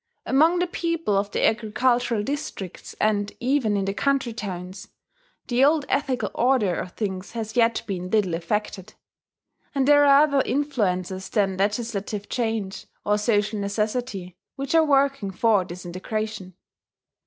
Among the people of the agricultural districts, and even in the country towns, the old ethical order of things has yet been little affected. And there are other influences than legislative change or social necessity which are working for disintegration.